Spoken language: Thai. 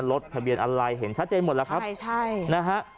รถทะเบียนอะไรเห็นชัดเจนหมดแล้วครับใช่ใช่นะฮะ